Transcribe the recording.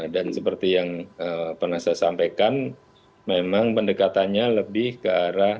dan seperti yang pernah saya sampaikan memang pendekatannya lebih ke arah